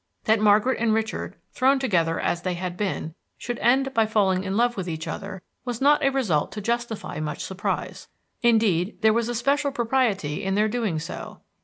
That Margaret and Richard, thrown together as they had been, should end by falling in love with each other was not a result to justify much surprise. Indeed, there was a special propriety in their doing so.